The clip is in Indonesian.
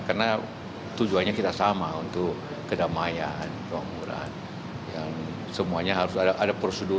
karena tujuannya kita sama untuk kedamaian kebangguran semuanya harus ada prosedur